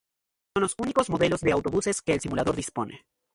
Son los únicos modelos de autobuses que el simulador dispone.